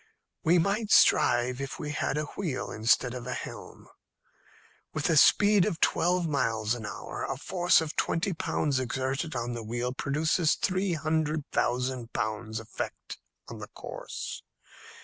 "We might strive if we had a wheel instead of a helm. With a speed of twelve miles an hour, a force of twenty pounds exerted on the wheel produces three hundred thousand pounds' effect on the course.